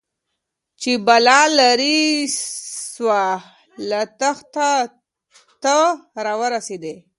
چي بلا ليري سوه له تخته ته راورسېدې